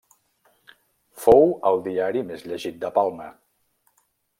Fou el diari més llegit de Palma.